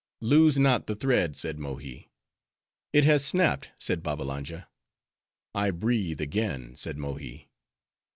"Lose not the thread," said Mohi. "It has snapped," said Babbalanja. "I breathe again," said Mohi.